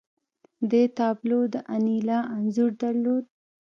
دې تابلو د انیلا انځور درلود